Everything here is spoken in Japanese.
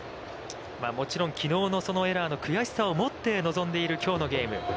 もちろんきのうのエラーの悔しさをもって臨んでいるきょうのゲーム。